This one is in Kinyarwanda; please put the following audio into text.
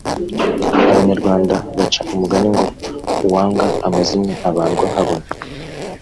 abanyarwanda baca umugani ngo uwanga amazimwe abandwa habona